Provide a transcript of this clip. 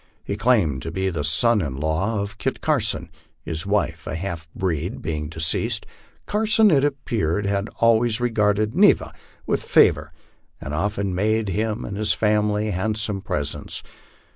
He claimed to be a son in law of Kit Carson, his wife, a half breed, being deceased. Carson, it appeared, had MY LIFE ON THE PLAINS. 219 always regarded Neva with favor, and often made him and his family hand some presents.